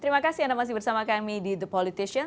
terima kasih anda masih bersama kami di the politician